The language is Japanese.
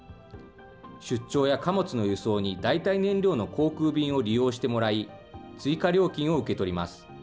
出張や貨物の輸送に代替燃料の航空便を利用してもらい、追加料金を受け取ります。